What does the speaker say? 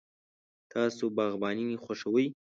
تاسو باغباني خوښوئ؟